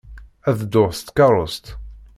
Ad dduɣ s tkeṛṛust.